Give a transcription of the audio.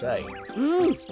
うん。